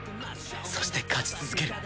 そして勝ち続ける！